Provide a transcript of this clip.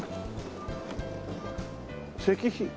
石碑。